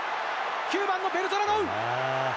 ９番のベルトラノウ！